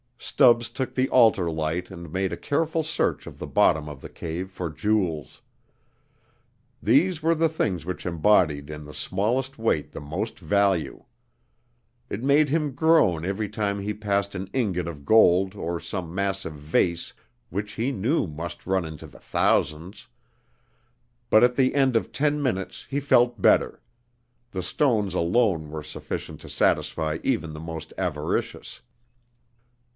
Stubbs took the altar light and made a careful search of the bottom of the cave for jewels. These were the things which embodied in the smallest weight the most value. It made him groan every time he passed an ingot of gold or some massive vase which he knew must run into the thousands, but at the end of ten minutes he felt better; the stones alone were sufficient to satisfy even the most avaricious.